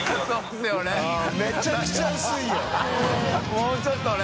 もうちょっとね。